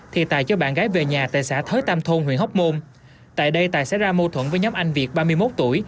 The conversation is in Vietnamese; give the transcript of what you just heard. thì tài cho bạn gái về nhà tại xã thới tam thôn huyện hóc môn tại đây tài sẽ ra mâu thuẫn với nhóm anh việt ba mươi một tuổi